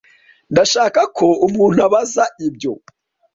Ndashaka ko umuntu abaza ibyo.